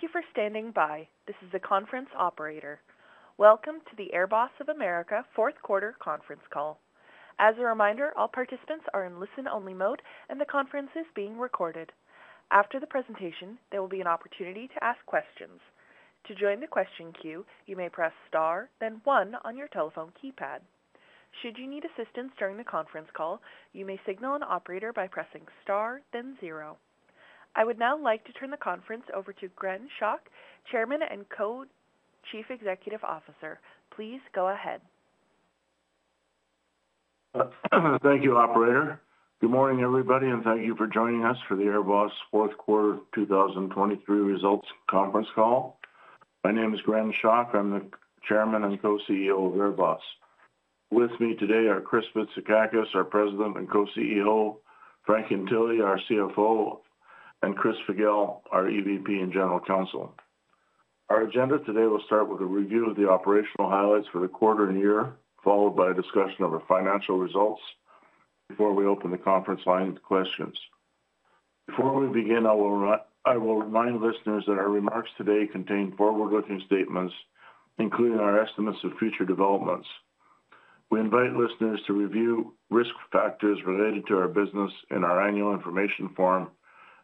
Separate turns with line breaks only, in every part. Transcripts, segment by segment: Thank you for standing by. This is the conference operator. Welcome to the AirBoss of America Fourth Quarter Conference Call. As a reminder, all participants are in listen-only mode and the conference is being recorded. After the presentation, there will be an opportunity to ask questions. To join the question queue, you may press star then one on your telephone keypad. Should you need assistance during the conference call, you may signal an operator by pressing star then zero. I would now like to turn the conference over to Gren Schoch, Chairman and Co-Chief Executive Officer. Please go ahead.
Thank you, Operator. Good morning, everybody, and thank you for joining us for The AirBoss Fourth Quarter 2023 Results Conference Call. My name is Gren Schoch. I'm the Chairman and Co-CEO of AirBoss. With me today are Chris Bitsakakis, our President and Co-CEO, Frank Ientile, our CFO, and Chris Figel, our EVP and General Counsel. Our agenda today will start with a review of the operational highlights for the quarter and year, followed by a discussion of our financial results before we open the conference line to questions. Before we begin, I will remind listeners that our remarks today contain forward-looking statements, including our estimates of future developments. We invite listeners to review risk factors related to our business in our annual information form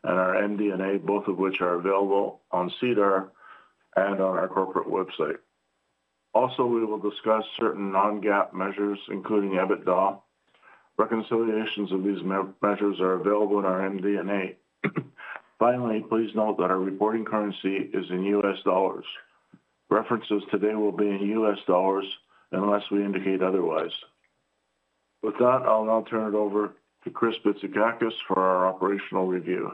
and our MD&A, both of which are available on SEDAR and on our corporate website. Also, we will discuss certain non-GAAP measures, including EBITDA. Reconciliations of these measures are available in our MD&A. Finally, please note that our reporting currency is in U.S. dollars. References today will be in U.S. dollars unless we indicate otherwise. With that, I'll now turn it over to Chris Bitsakakis for our operational review.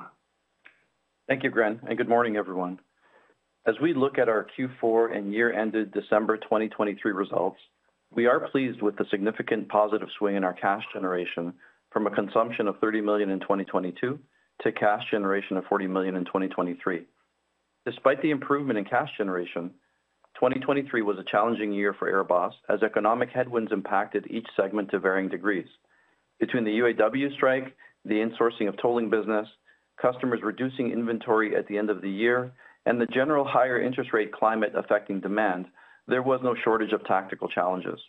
Thank you, Gren, and good morning, everyone. As we look at our Q4 and year-ended December 2023 results, we are pleased with the significant positive swing in our cash generation from a consumption of $30 million in 2022 to cash generation of $40 million in 2023. Despite the improvement in cash generation, 2023 was a challenging year for AirBoss as economic headwinds impacted each segment to varying degrees. Between the UAW strike, the insourcing of tolling business, customers reducing inventory at the end of the year, and the general higher interest rate climate affecting demand, there was no shortage of tactical challenges.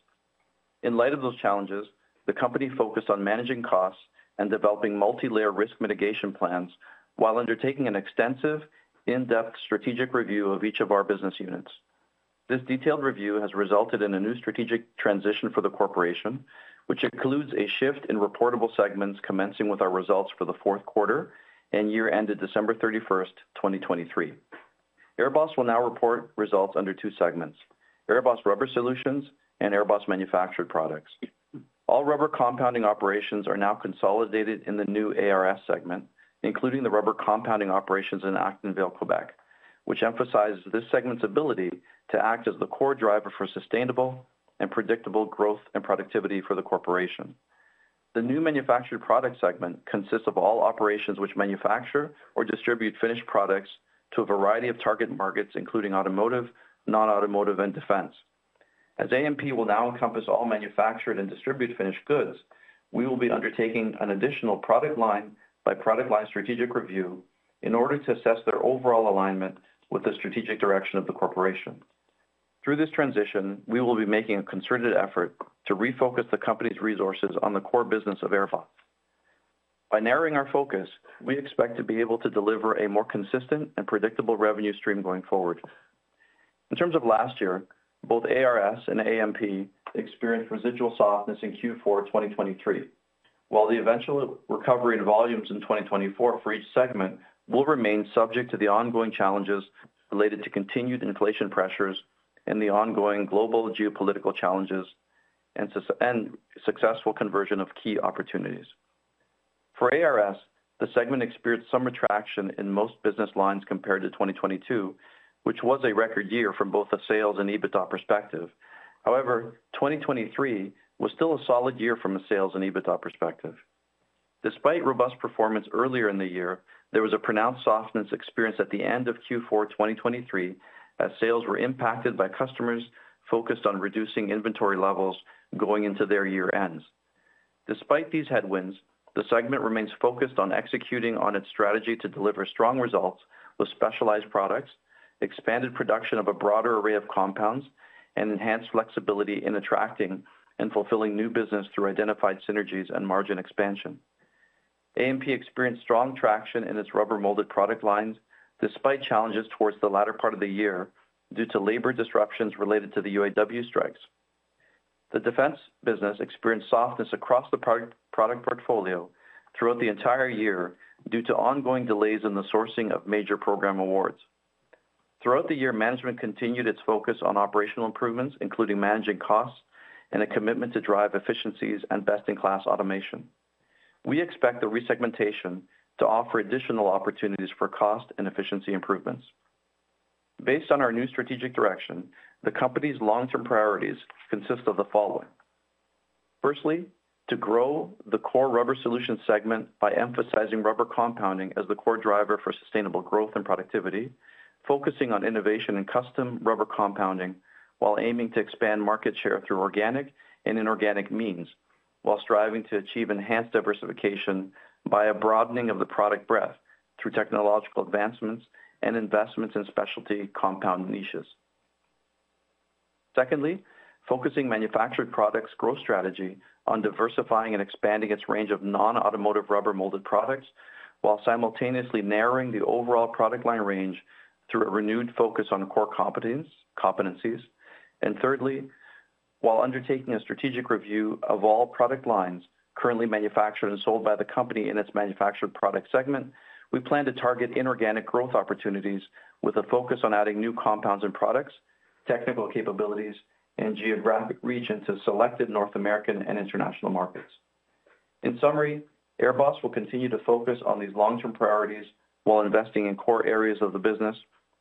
In light of those challenges, the company focused on managing costs and developing multi-layer risk mitigation plans while undertaking an extensive, in-depth strategic review of each of our business units. This detailed review has resulted in a new strategic transition for the corporation, which includes a shift in reportable segments commencing with our results for the fourth quarter and year-ended December 31st, 2023. AirBoss will now report results under two segments: AirBoss Rubber Solutions and AirBoss Manufactured Products. All rubber compounding operations are now consolidated in the new ARS segment, including the rubber compounding operations in Acton Vale, Québec, which emphasizes this segment's ability to act as the core driver for sustainable and predictable growth and productivity for the corporation. The new Manufactured Products segment consists of all operations which manufacture or distribute finished products to a variety of target markets, including automotive, non-automotive, and defense. As AMP will now encompass all manufactured and distributed finished goods, we will be undertaking an additional product line by product line strategic review in order to assess their overall alignment with the strategic direction of the corporation. Through this transition, we will be making a concerted effort to refocus the company's resources on the core business of AirBoss. By narrowing our focus, we expect to be able to deliver a more consistent and predictable revenue stream going forward. In terms of last year, both ARS and AMP experienced residual softness in Q4 2023, while the eventual recovery in volumes in 2024 for each segment will remain subject to the ongoing challenges related to continued inflation pressures and the ongoing global geopolitical challenges and successful conversion of key opportunities. For ARS, the segment experienced some retraction in most business lines compared to 2022, which was a record year from both a sales and EBITDA perspective. However, 2023 was still a solid year from a sales and EBITDA perspective. Despite robust performance earlier in the year, there was a pronounced softness experienced at the end of Q4 2023 as sales were impacted by customers focused on reducing inventory levels going into their year-ends. Despite these headwinds, the segment remains focused on executing on its strategy to deliver strong results with specialized products, expanded production of a broader array of compounds, and enhanced flexibility in attracting and fulfilling new business through identified synergies and margin expansion. AMP experienced strong traction in its rubber-molded product lines despite challenges towards the latter part of the year due to labor disruptions related to the UAW strikes. The defense business experienced softness across the product portfolio throughout the entire year due to ongoing delays in the sourcing of major program awards. Throughout the year, management continued its focus on operational improvements, including managing costs and a commitment to drive efficiencies and best-in-class automation. We expect the resegmentation to offer additional opportunities for cost and efficiency improvements. Based on our new strategic direction, the company's long-term priorities consist of the following. Firstly, to grow the core Rubber Solutions Segment by emphasizing rubber compounding as the core driver for sustainable growth and productivity, focusing on innovation and custom rubber compounding while aiming to expand market share through organic and inorganic means, while striving to achieve enhanced diversification by a broadening of the product breadth through technological advancements and investments in specialty compound niches. Secondly, focusing manufactured products growth strategy on diversifying and expanding its range of non-automotive Rubber-Molded Products while simultaneously narrowing the overall product line range through a renewed focus on core competencies. Thirdly, while undertaking a strategic review of all product lines currently manufactured and sold by the company in its manufactured product segment, we plan to target inorganic growth opportunities with a focus on adding new compounds and products, technical capabilities, and geographic reach into selected North American and international markets. In summary, AirBoss will continue to focus on these long-term priorities while investing in core areas of the business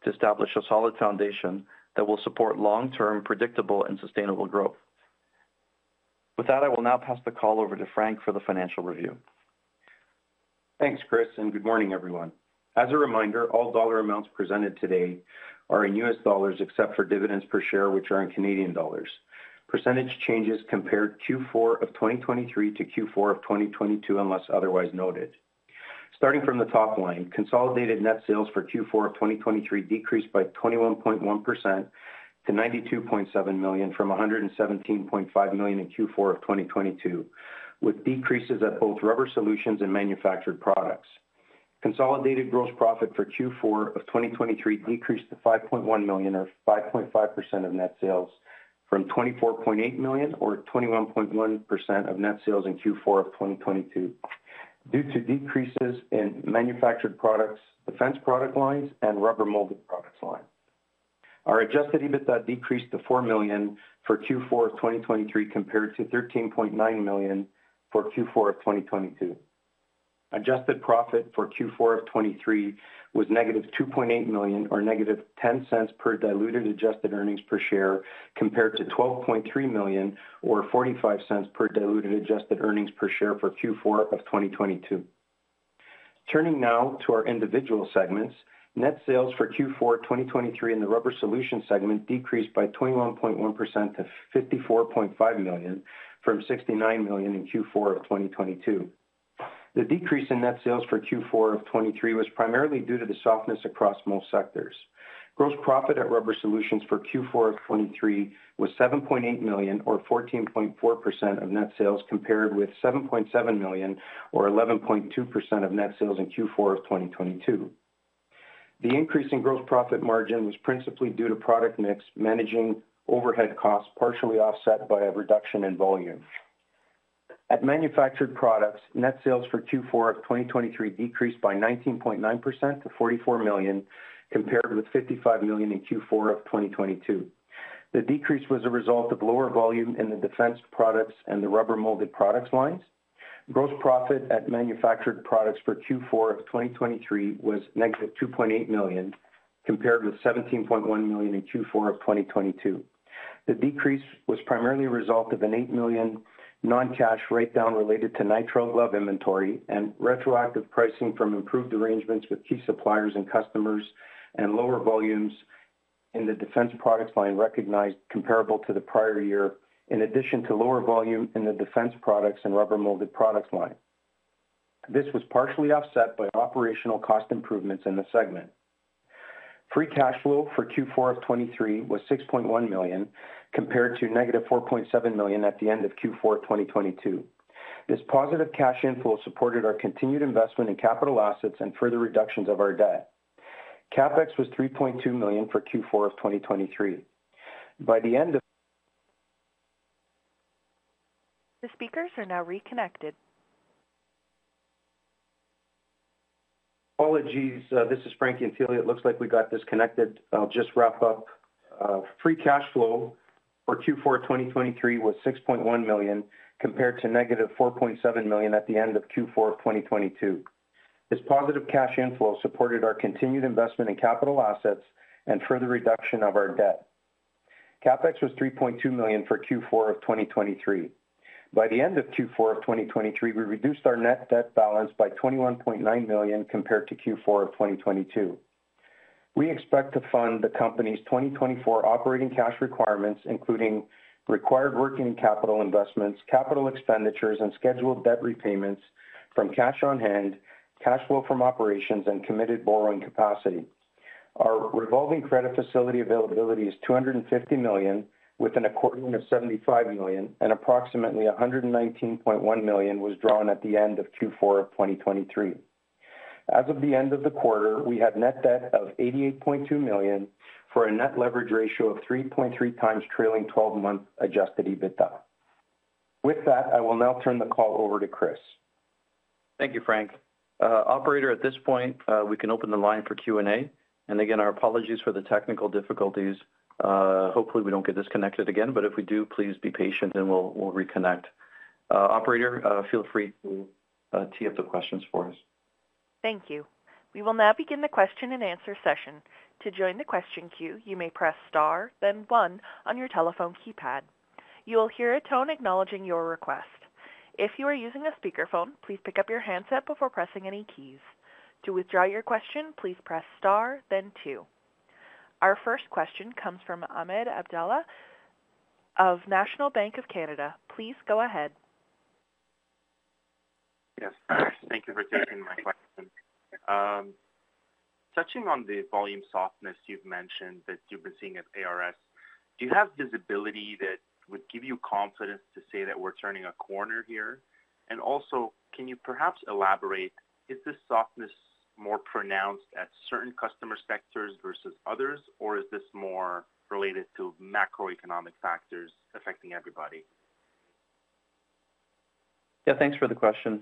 to establish a solid foundation that will support long-term, predictable, and sustainable growth. With that, I will now pass the call over to Frank for the financial review.
Thanks, Chris, and good morning, everyone. As a reminder, all dollar amounts presented today are in U.S. dollars except for dividends per share, which are in Canadian dollars. % changes compared Q4 of 2023 to Q4 of 2022 unless otherwise noted. Starting from the top line, consolidated net sales for Q4 of 2023 decreased by 21.1% to $92.7 million from $117.5 million in Q4 of 2022, with decreases at both Rubber Solutions and Manufactured Products. Consolidated gross profit for Q4 of 2023 decreased to $5.1 million or 5.5% of net sales from $24.8 million or 21.1% of net sales in Q4 of 2022 due to decreases in Manufactured Products, defense product lines, and rubber-molded products lines. Our adjusted EBITDA decreased to $4 million for Q4 of 2023 compared to $13.9 million for Q4 of 2022. Adjusted profit for Q4 of 2023 was -$2.8 million or -$0.10 per diluted adjusted earnings per share compared to $12.3 million or $0.45 per diluted adjusted earnings per share for Q4 of 2022. Turning now to our individual segments, net sales for Q4 2023 in the Rubber Solutions Segment decreased by 21.1% to $54.5 million from $69 million in Q4 of 2022. The decrease in net sales for Q4 of 2023 was primarily due to the softness across most sectors. Gross profit at Rubber Solutions for Q4 of 2023 was $7.8 million or 14.4% of net sales compared with $7.7 million or 11.2% of net sales in Q4 of 2022. The increase in gross profit margin was principally due to product mix managing overhead costs partially offset by a reduction in volume. At Manufactured Products, net sales for Q4 of 2023 decreased by 19.9% to $44 million compared with $55 million in Q4 of 2022. The decrease was a result of lower volume in the defense products and the Rubber-Molded Products lines. Gross profit at Manufactured Products for Q4 of 2023 was -$2.8 million compared with $17.1 million in Q4 of 2022. The decrease was primarily a result of an $8 million non-cash write-down related to nitrile glove inventory and retroactive pricing from improved arrangements with key suppliers and customers and lower volumes in the defense products line recognized comparable to the prior year, in addition to lower volume in the defense products and Rubber-Molded Products line. This was partially offset by operational cost improvements in the segment. Free cash flow for Q4 of 2023 was $6.1 million compared to -$4.7 million at the end of Q4 of 2022. This positive cash inflow supported our continued investment in capital assets and further reductions of our debt. CapEx was $3.2 million for Q4 of 2023. By the end of.
The speakers are now reconnected.
Apologies, this is Frank Ientile. It looks like we got connected. I'll just wrap up. Free cash flow for Q4 of 2023 was $6.1 million compared to -$4.7 million at the end of Q4 of 2022. This positive cash inflow supported our continued investment in capital assets and further reduction of our debt. CapEx was $3.2 million for Q4 of 2023. By the end of Q4 of 2023, we reduced our net debt balance by $21.9 million compared to Q4 of 2022. We expect to fund the company's 2024 operating cash requirements, including required working capital investments, capital expenditures, and scheduled debt repayments from cash on hand, cash flow from operations, and committed borrowing capacity. Our revolving credit facility availability is $250 million, with an accordion of $75 million, and approximately $119.1 million was drawn at the end of Q4 of 2023. As of the end of the quarter, we had net debt of $88.2 million for a net leverage ratio of 3.3x trailing 12-month Adjusted EBITDA. With that, I will now turn the call over to Chris.
Thank you, Frank. Operator, at this point, we can open the line for Q&A. And again, our apologies for the technical difficulties. Hopefully, we don't get disconnected again, but if we do, please be patient and we'll reconnect. Operator, feel free to tee up the questions for us.
Thank you. We will now begin the question and answer session. To join the question queue, you may press star, then one, on your telephone keypad. You will hear a tone acknowledging your request. If you are using a speakerphone, please pick up your handset before pressing any keys. To withdraw your question, please press star, then two. Our first question comes from Ahmed Abdullah of National Bank of Canada. Please go ahead.
Yes. Thank you for taking my question. Touching on the volume softness you've mentioned that you've been seeing at ARS, do you have visibility that would give you confidence to say that we're turning a corner here? And also, can you perhaps elaborate, is this softness more pronounced at certain customer sectors versus others, or is this more related to macroeconomic factors affecting everybody?
Yeah, thanks for the question,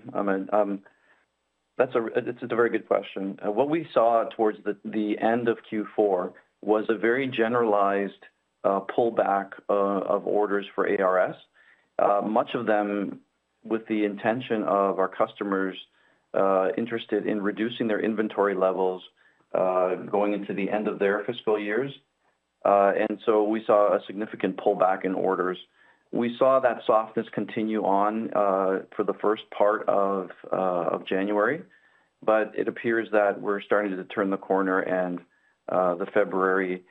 Ahmed. It's a very good question. What we saw towards the end of Q4 was a very generalized pullback of orders for ARS, much of them with the intention of our customers interested in reducing their inventory levels going into the end of their fiscal years. We saw a significant pullback in orders. We saw that softness continue on for the first part of January, but it appears that we're starting to turn the corner and the February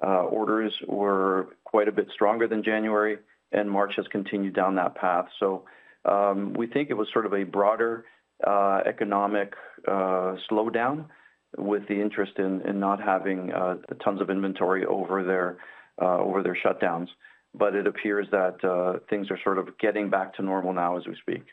orders were quite a bit stronger than January, and March has continued down that path. We think it was sort of a broader economic slowdown with the interest in not having tons of inventory over their shutdowns. It appears that things are sort of getting back to normal now as we speak.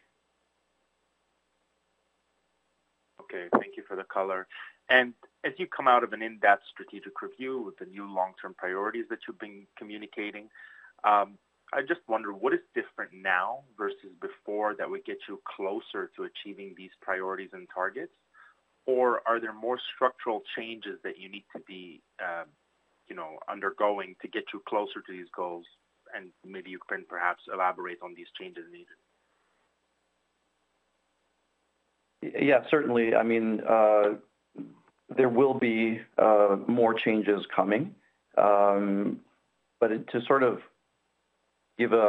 Okay. Thank you for the color. And as you come out of an in-depth strategic review with the new long-term priorities that you've been communicating, I just wonder, what is different now versus before that would get you closer to achieving these priorities and targets? Or are there more structural changes that you need to be undergoing to get you closer to these goals? And maybe you can perhaps elaborate on these changes needed.
Yeah, certainly. I mean, there will be more changes coming. But to sort of give an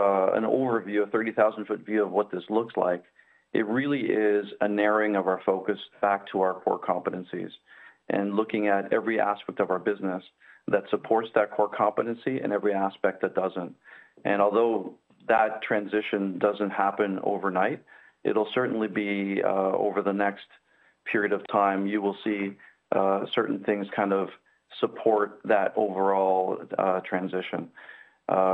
overview, a 30,000-foot view of what this looks like, it really is a narrowing of our focus back to our core competencies and looking at every aspect of our business that supports that core competency and every aspect that doesn't. And although that transition doesn't happen overnight, it'll certainly be over the next period of time, you will see certain things kind of support that overall transition.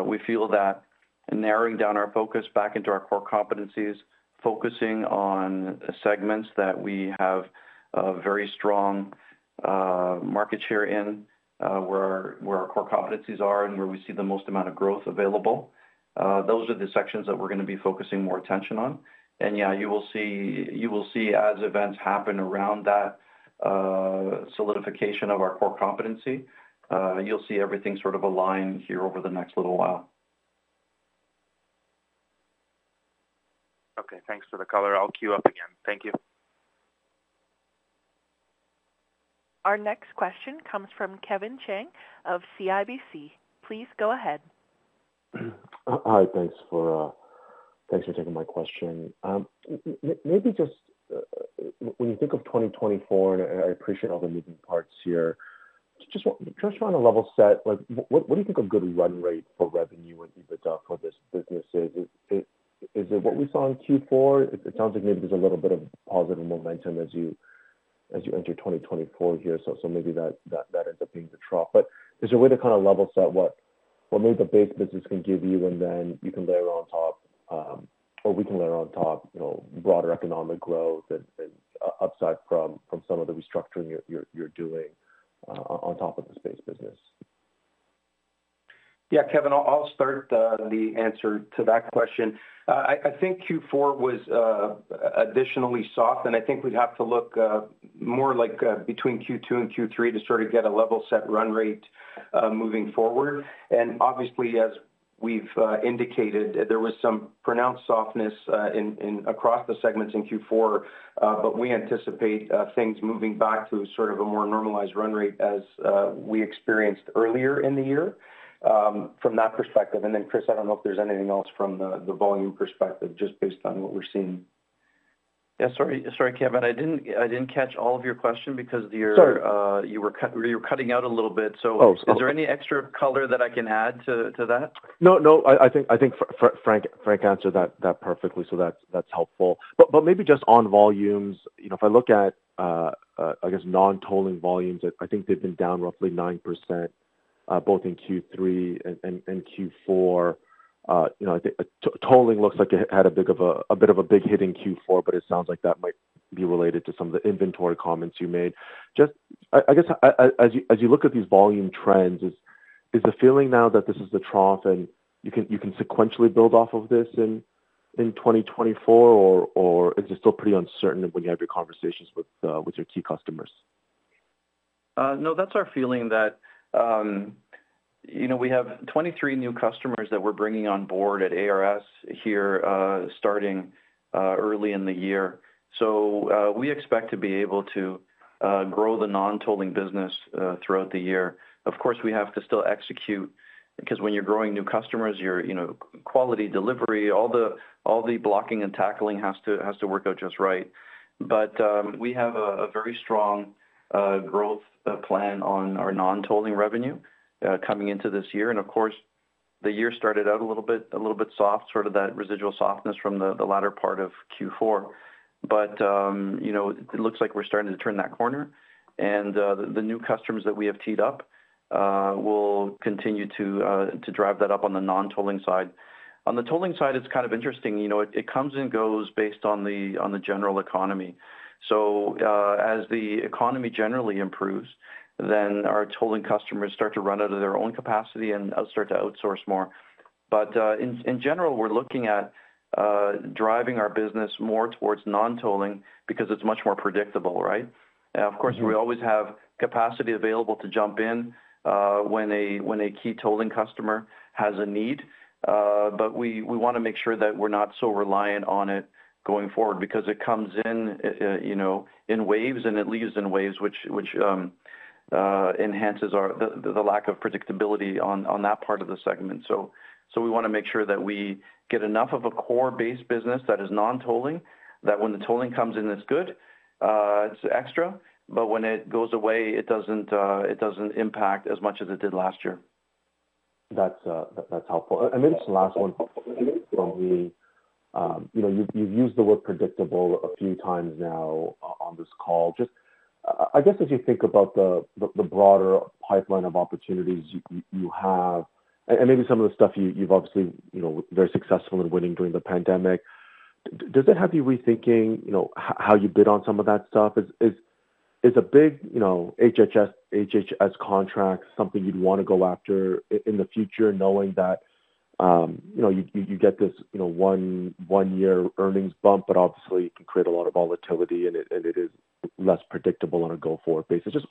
We feel that narrowing down our focus back into our core competencies, focusing on segments that we have a very strong market share in, where our core competencies are and where we see the most amount of growth available, those are the sections that we're going to be focusing more attention on. Yeah, you will see as events happen around that solidification of our core competency, you'll see everything sort of align here over the next little while.
Okay. Thanks for the color. I'll queue up again. Thank you.
Our next question comes from Kevin Chiang of CIBC. Please go ahead.
Hi. Thanks for taking my question. Maybe just when you think of 2024, and I appreciate all the moving parts here, just trying to level set, what do you think a good run rate for revenue and EBITDA for this business is? Is it what we saw in Q4? It sounds like maybe there's a little bit of positive momentum as you enter 2024 here, so maybe that ends up being the trough. But is there a way to kind of level set what maybe the base business can give you, and then you can layer on top or we can layer on top broader economic growth and upside from some of the restructuring you're doing on top of this base business?
Yeah, Kevin, I'll start the answer to that question. I think Q4 was additionally soft, and I think we'd have to look more like between Q2 and Q3 to sort of get a level set run rate moving forward. And obviously, as we've indicated, there was some pronounced softness across the segments in Q4, but we anticipate things moving back to sort of a more normalized run rate as we experienced earlier in the year from that perspective. And then, Chris, I don't know if there's anything else from the volume perspective just based on what we're seeing.
Yeah, sorry, Kevin. I didn't catch all of your question because you were cutting out a little bit. So is there any extra color that I can add to that?
No, no. I think Frank answered that perfectly, so that's helpful. But maybe just on volumes, if I look at, I guess, non-tolling volumes, I think they've been down roughly 9% both in Q3 and Q4. Tolling looks like it had a bit of a big hit in Q4, but it sounds like that might be related to some of the inventory comments you made. I guess as you look at these volume trends, is the feeling now that this is the trough and you can sequentially build off of this in 2024, or is it still pretty uncertain when you have your conversations with your key customers?
No, that's our feeling that we have 23 new customers that we're bringing on board at ARS here starting early in the year. So we expect to be able to grow the non-tolling business throughout the year. Of course, we have to still execute because when you're growing new customers, your quality delivery, all the blocking and tackling has to work out just right. But we have a very strong growth plan on our non-tolling revenue coming into this year. And of course, the year started out a little bit soft, sort of that residual softness from the latter part of Q4. But it looks like we're starting to turn that corner. And the new customers that we have teed up will continue to drive that up on the non-tolling side. On the tolling side, it's kind of interesting. It comes and goes based on the general economy. So as the economy generally improves, then our tolling customers start to run out of their own capacity and start to outsource more. But in general, we're looking at driving our business more towards non-tolling because it's much more predictable, right? Of course, we always have capacity available to jump in when a key tolling customer has a need. But we want to make sure that we're not so reliant on it going forward because it comes in waves, and it leaves in waves, which enhances the lack of predictability on that part of the segment. So we want to make sure that we get enough of a core base business that is non-tolling, that when the tolling comes in, it's good, it's extra, but when it goes away, it doesn't impact as much as it did last year.
That's helpful. Maybe just the last one. You've used the word predictable a few times now on this call. Just I guess as you think about the broader pipeline of opportunities you have, and maybe some of the stuff you've obviously been very successful in winning during the pandemic, does that have you rethinking how you bid on some of that stuff? Is a big HHS contract something you'd want to go after in the future knowing that you get this one-year earnings bump, but obviously, you can create a lot of volatility and it is less predictable on a go-forward basis? Just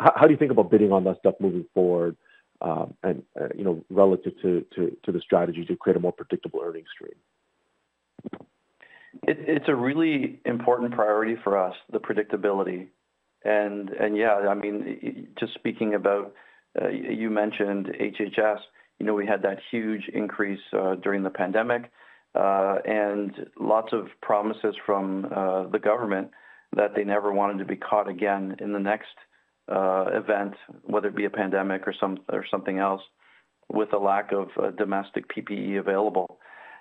how do you think about bidding on that stuff moving forward relative to the strategy to create a more predictable earnings stream?
It's a really important priority for us, the predictability. And yeah, I mean, just speaking about, you mentioned HHS, we had that huge increase during the pandemic and lots of promises from the government that they never wanted to be caught again in the next event, whether it be a pandemic or something else, with a lack of domestic PPE available.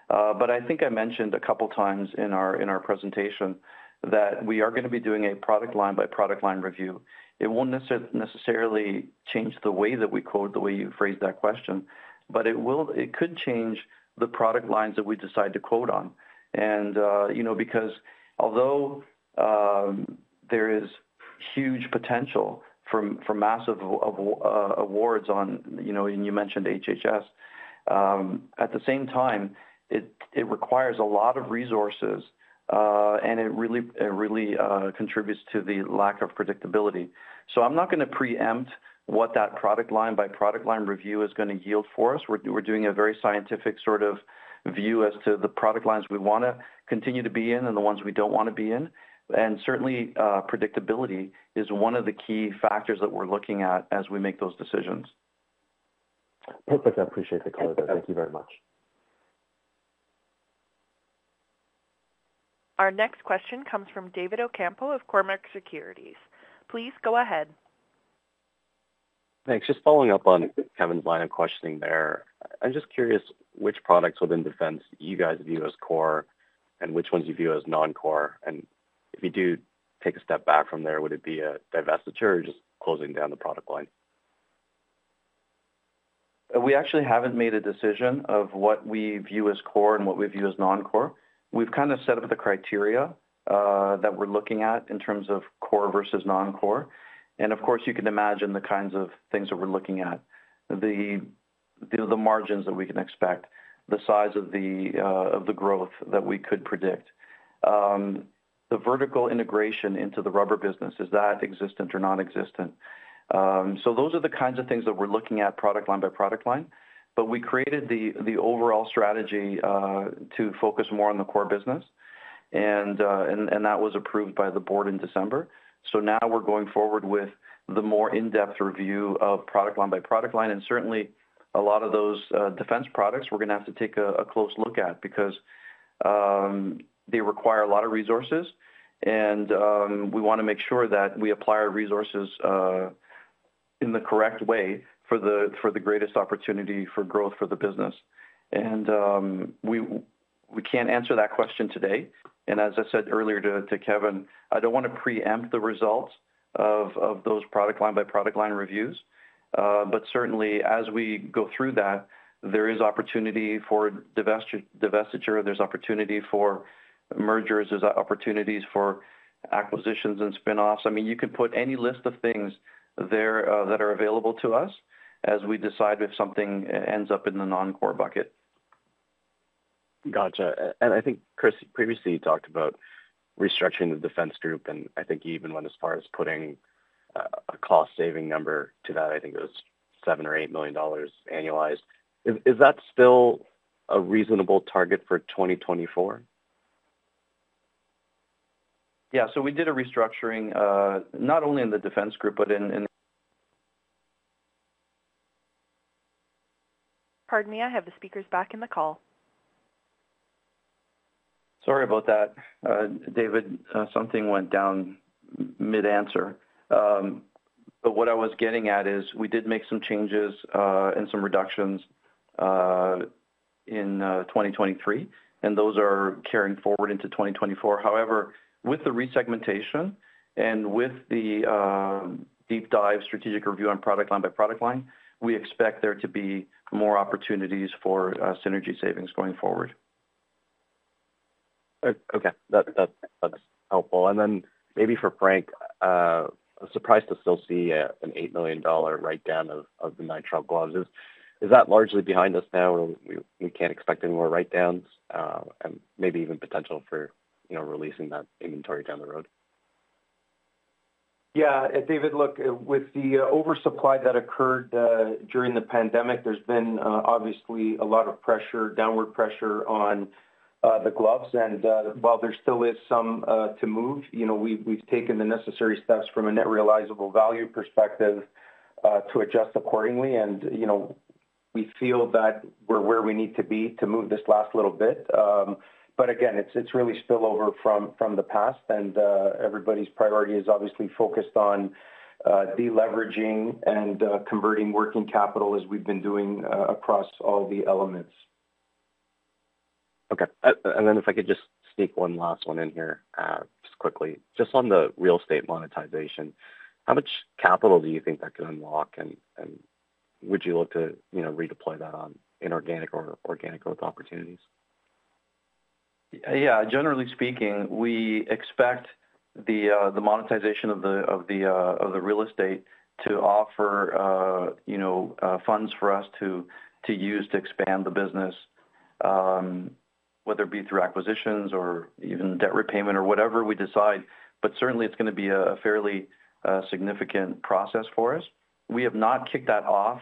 But I think I mentioned a couple of times in our presentation that we are going to be doing a product line-by-product line review. It won't necessarily change the way that we quote, the way you phrased that question, but it could change the product lines that we decide to quote on. And because although there is huge potential for massive awards, on and you mentioned HHS, at the same time, it requires a lot of resources and it really contributes to the lack of predictability. I'm not going to preempt what that product line-by-product line review is going to yield for us. We're doing a very scientific sort of view as to the product lines we want to continue to be in and the ones we don't want to be in. Certainly, predictability is one of the key factors that we're looking at as we make those decisions.
Perfect. I appreciate the color, though. Thank you very much.
Our next question comes from David Ocampo of Cormark Securities. Please go ahead.
Thanks. Just following up on Kevin's line of questioning there, I'm just curious which products within defense you guys view as core and which ones you view as non-core. And if you do take a step back from there, would it be a divestiture or just closing down the product line?
We actually haven't made a decision of what we view as core and what we view as non-core. We've kind of set up the criteria that we're looking at in terms of core versus non-core. And of course, you can imagine the kinds of things that we're looking at, the margins that we can expect, the size of the growth that we could predict, the vertical integration into the rubber business, is that existent or nonexistent? So those are the kinds of things that we're looking at product line-by-product line. But we created the overall strategy to focus more on the core business, and that was approved by the board in December. So now we're going forward with the more in-depth review of product line-by-product line. Certainly, a lot of those defense products, we're going to have to take a close look at because they require a lot of resources. We want to make sure that we apply our resources in the correct way for the greatest opportunity for growth for the business. We can't answer that question today. As I said earlier to Kevin, I don't want to preempt the results of those product line-by-product line reviews. But certainly, as we go through that, there is opportunity for divestiture. There's opportunity for mergers. There's opportunities for acquisitions and spinoffs. I mean, you could put any list of things there that are available to us as we decide if something ends up in the non-core bucket.
Gotcha. And I think Chris previously talked about restructuring the defense group. And I think you even went as far as putting a cost-saving number to that. I think it was $7-$8 million annualized. Is that still a reasonable target for 2024?
Yeah. So we did a restructuring not only in the Defense Group, but in.
Pardon me. I have the speakers back in the call.
Sorry about that, David. Something went down mid-answer. But what I was getting at is we did make some changes and some reductions in 2023, and those are carrying forward into 2024. However, with the resegmentation and with the deep dive strategic review on product line-by-product line, we expect there to be more opportunities for synergy savings going forward.
Okay. That's helpful. And then maybe for Frank, I'm surprised to still see an $8 million write-down of the nitrile gloves. Is that largely behind us now, or we can't expect any more write-downs and maybe even potential for releasing that inventory down the road?
Yeah. David, look, with the oversupply that occurred during the pandemic, there's been obviously a lot of pressure, downward pressure on the gloves. And while there still is some to move, we've taken the necessary steps from a net realizable value perspective to adjust accordingly. And we feel that we're where we need to be to move this last little bit. But again, it's really spillover from the past. And everybody's priority is obviously focused on deleveraging and converting working capital as we've been doing across all the elements.
Okay. And then if I could just sneak one last one in here just quickly, just on the real estate monetization, how much capital do you think that could unlock, and would you look to redeploy that on inorganic or organic growth opportunities?
Yeah. Generally speaking, we expect the monetization of the real estate to offer funds for us to use to expand the business, whether it be through acquisitions or even debt repayment or whatever we decide. But certainly, it's going to be a fairly significant process for us. We have not kicked that off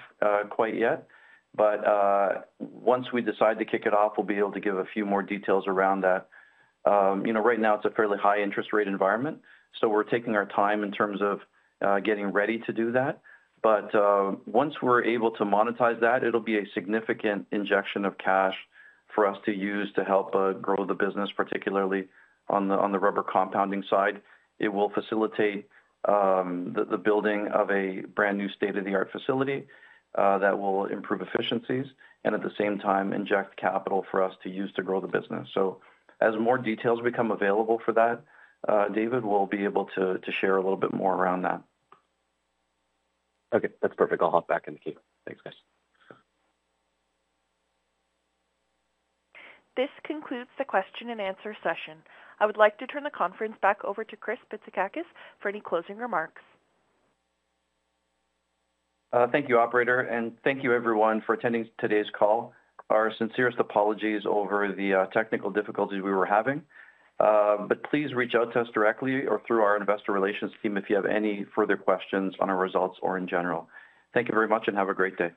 quite yet. But once we decide to kick it off, we'll be able to give a few more details around that. Right now, it's a fairly high-interest rate environment, so we're taking our time in terms of getting ready to do that. But once we're able to monetize that, it'll be a significant injection of cash for us to use to help grow the business, particularly on the rubber compounding side. It will facilitate the building of a brand new state-of-the-art facility that will improve efficiencies and at the same time inject capital for us to use to grow the business. So as more details become available for that, David, we'll be able to share a little bit more around that.
Okay. That's perfect. I'll hop back in the key. Thanks, guys.
This concludes the question-and-answer session. I would like to turn the conference back over to Chris Bitsakakis for any closing remarks.
Thank you, operator. Thank you, everyone, for attending today's call. Our sincerest apologies over the technical difficulties we were having. Please reach out to us directly or through our investor relations team if you have any further questions on our results or in general. Thank you very much and have a great day.